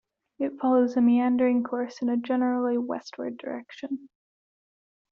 It follows a meandering course in a generally westward direction.